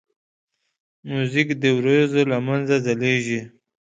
موزیک د وریځو له منځه ځلیږي.